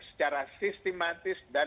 secara sistematis dan